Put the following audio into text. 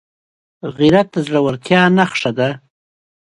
غیرت د زړورتیا نښه ده